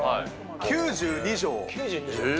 ９２畳。